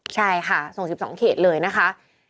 ใช่ค่ะส่ง๑๒เขตเลยนะคะ